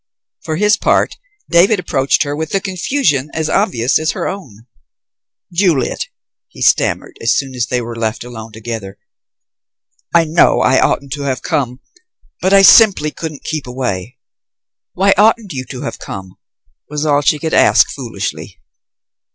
For his part, David approached her with a confusion as obvious as her own. "Juliet," he stammered as soon as they were left alone together, "I know I oughtn't to have come, but I simply couldn't keep away." "Why oughtn't you to have come?" was all she could ask foolishly.